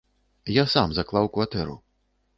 Я сам заклаў кватэру.